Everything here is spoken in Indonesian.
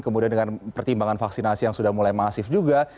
kemudian dengan pertimbangan vaksinasi yang sudah mulai masif juga